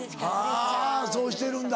はぁそうしてるんだ。